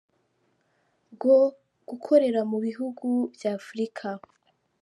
bwo gukorera mu bihugu bya Afurika.